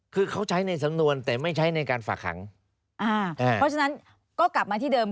คือเขาใช้ในสำนวนแต่ไม่ใช้ในการฝากขังอ่าเพราะฉะนั้นก็กลับมาที่เดิม